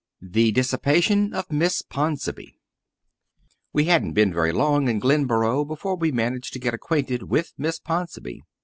The Dissipation of Miss Ponsonby We hadn't been very long in Glenboro before we managed to get acquainted with Miss Ponsonby.